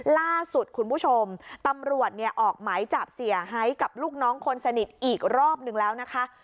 ล่าสุดคุณผู้ชมตำรวจเนี่ยออกหมายจับเสียหายกับลูกน้องคนสนิทอีกรอบนึงแล้วนะคะ